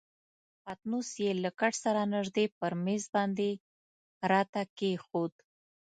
پتنوس یې له کټ سره نژدې پر میز باندې راته کښېښود.